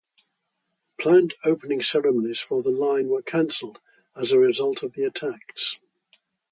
Planned opening ceremonies for the line were cancelled as a result of the attacks.